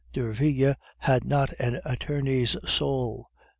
Derville had not an attorney's soul.